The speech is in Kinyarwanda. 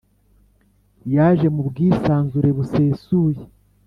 yaje mu bwisanzure busesuye